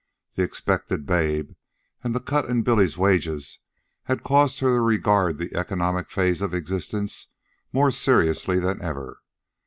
The expected babe and the cut in Billy's wages had caused her to regard the economic phase of existence more seriously than ever.